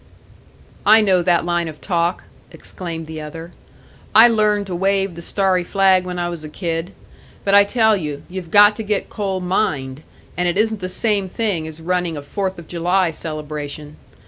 "I know that line of talk!" exclaimed the other. "I learned to wave the starry flag when I was a kid. But I tell you, you've got to get coal mined, and it isn't the same thing as running a Fourth of July celebration.